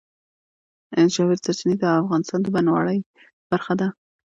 ژورې سرچینې د افغانستان د بڼوالۍ برخه ده.